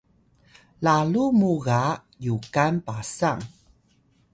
lalu muw ga Yukan Pasang